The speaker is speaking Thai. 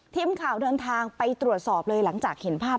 ทีมข่าวเดินทางไปตรวจสอบเลยหลังจากเห็นภาพ